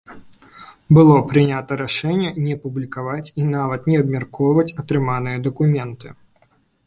Было прынята рашэнне не публікаваць і нават не абмяркоўваць атрыманыя дакументы.